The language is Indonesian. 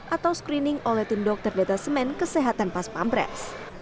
atau screening oleh tindok terdata semen kesehatan pas pampres